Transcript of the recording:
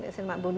bumi langit ya